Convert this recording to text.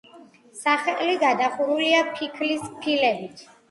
სახლი გადახურულია ფიქლის ფილებით.